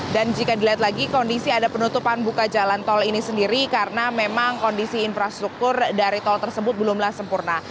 dan jika dilihat lagi kondisi ada penutupan buka jalan tol ini sendiri karena memang kondisi infrastruktur dari tol tersebut belumlah sempurna